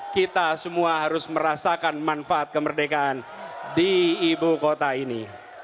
kita semua harus merasakan manfaat kemerdekaan di ibu kota ini